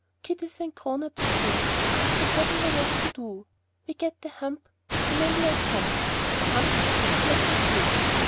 Kiddies and grown ups too oo oo, If we haven't enough to do oo oo, We get the hump Cameelious hump The hump that is black and blue!